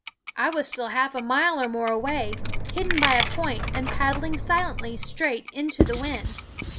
I was still half a mile or more away, hidden by a point and paddling silently straight into the wind.